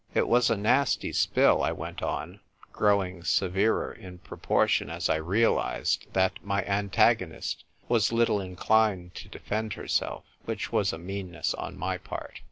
" It was a nasty spill," I went on, growing severer in proportion as I realised that mj' antagonist was little inclined to defend her self (which was a meanness on my part).